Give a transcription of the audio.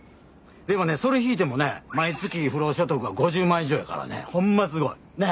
でもねそれ引いてもね毎月不労所得が５０万以上やからねほんますごい。ね？